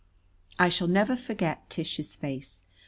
I shall never forget Tish's face.